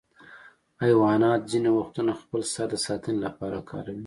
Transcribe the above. حیوانات ځینې وختونه خپل سر د ساتنې لپاره کاروي.